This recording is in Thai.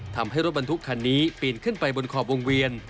ทำให้รถบรรทุกคันนี้ปีนขึ้นไปบนขอบวงเวียน